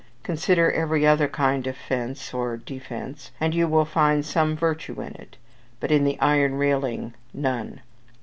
Consider every other kind of fence or defence, and you will find some virtue in it; but in the iron railing none.